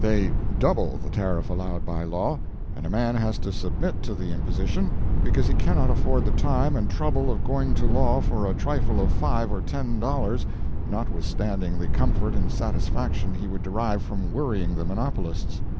They double the tariff allowed by law, and a man has to submit to the imposition, because he cannot afford the time and trouble of going to law for a trifle of five or ten dollars, notwithstanding the comfort and satisfaction he would derive from worrying the monopolists.